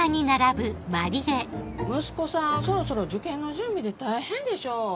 息子さんそろそろ受験の準備で大変でしょう？